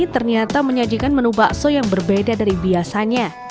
ternyata menyajikan menu bakso yang berbeda dari biasanya